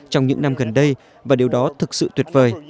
trong những năm gần đây và điều đó thực sự tuyệt vời